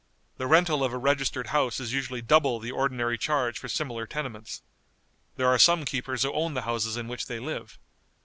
The rental of a registered house is usually double the ordinary charge for similar tenements. There are some keepers who own the houses in which they live.